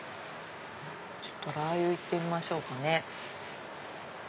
ちょっとラー油を行ってみましょうかね。